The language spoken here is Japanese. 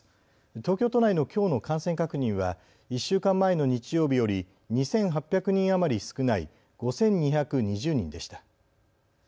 東京都内のきょうの感染確認は１週間前の日曜日より２８００人余り少ない５２２０人でした。